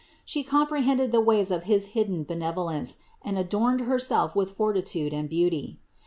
She com prehended the ways of his hidden benevolence and adorned Herself with fortitude and beauty.